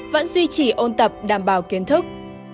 vẫn duy trì ôn tập đảm bảo kiến thức